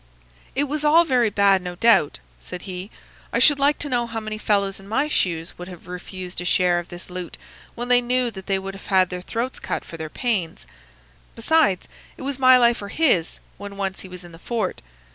"It was all very bad, no doubt," said he. "I should like to know how many fellows in my shoes would have refused a share of this loot when they knew that they would have their throats cut for their pains. Besides, it was my life or his when once he was in the fort.